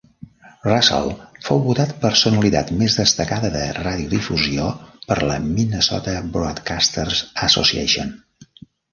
Russell fou votat "Personalitat més destacada de radiodifusió" per la Minnesota Broadcasters Association.